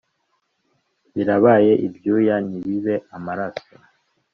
Birabe ibyuya ntibibe amaraso.